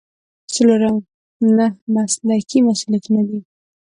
څلورم نهه مسلکي مسؤلیتونه دي.